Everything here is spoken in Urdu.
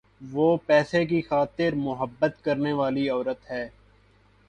وہ پیسے کی خاطر مُحبت کرنے والی عورت ہے۔`